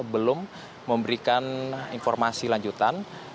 belum memberikan informasi lanjutan